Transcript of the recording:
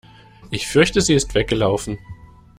Ich fürchte, sie ist weggelaufen.